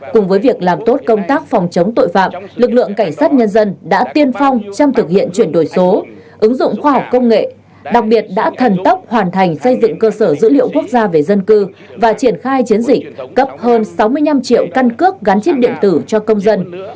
cùng với việc làm tốt công tác phòng chống tội phạm lực lượng cảnh sát nhân dân đã tiên phong trong thực hiện chuyển đổi số ứng dụng khoa học công nghệ đặc biệt đã thần tốc hoàn thành xây dựng cơ sở dữ liệu quốc gia về dân cư và triển khai chiến dịch cấp hơn sáu mươi năm triệu căn cước gắn chip điện tử cho công dân